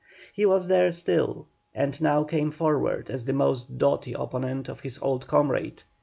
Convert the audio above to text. He was there still and now came forward as the most doughty opponent of his old comrade.